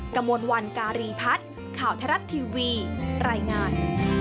กระมวลวันการีพัฒน์ข่าวทรัฐทีวีรายงาน